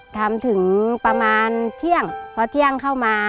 ทำถึงประมาณเที่ยงพอเที่ยงเข้ามา